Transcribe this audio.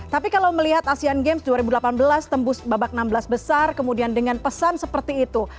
tapi kalau melihat asean games dua ribu delapan belas tembus babak enam belas besar kemudian dengan pesan seperti itu